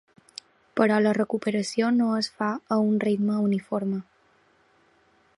Però la recuperació no es fa a un ritme uniforme.